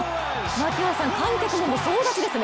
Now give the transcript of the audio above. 槙原さん、もう観客も総立ちですね。